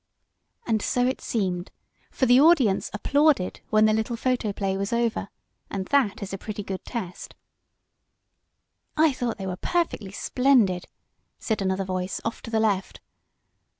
And so it seemed, for the audience applauded when the little photo play was over, and that is a pretty good test. "I think they were perfectly splendid," said another voice off to the left.